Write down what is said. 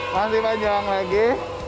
masih panjang lagi